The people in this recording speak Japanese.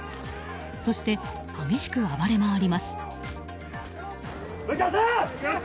そして激しく暴れ回ります。